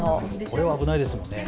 これは危ないですもんね。